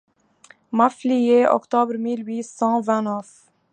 Maffliers ; octobre mille huit cent vingt-neuf.